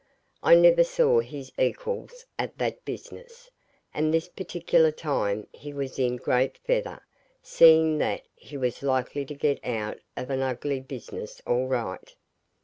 I never saw his equals at that business; and this particular time he was in great feather, seeing that he was likely to get out of an ugly business all right.